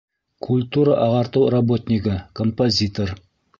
Культура-ағартыу работнигы, композитор.